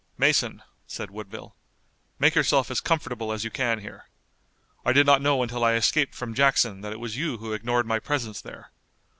"Mason," said Woodville, "make yourself as comfortable as you can here. I did not know until I escaped from Jackson that it was you who ignored my presence there.